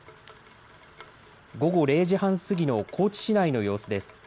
午後０時半過ぎの高知市内の様子です。